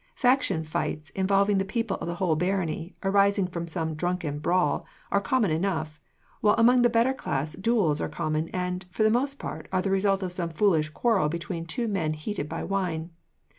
Faction fights, involving the people of the whole barony, arising from some drunken brawl, are common enough; while among the better class duels are common and, for the most part, are the result of some foolish quarrel between two men heated by wine.